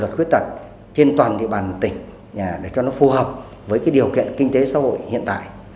người khuyết tật trên toàn địa bàn tỉnh để cho nó phù hợp với điều kiện kinh tế xã hội hiện tại